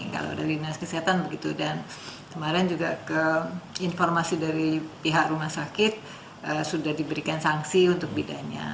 kalau ada dinas kesehatan begitu dan kemarin juga informasi dari pihak rumah sakit sudah diberikan sanksi untuk bidannya